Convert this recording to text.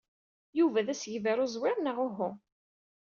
Yuba d asegbar uẓwir, neɣ uhu?